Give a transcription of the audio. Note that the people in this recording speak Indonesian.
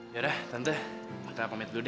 ya udah tante aku minta pamit dulu deh